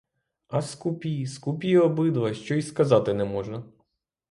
А скупі, скупі обидва, що й сказати не можна!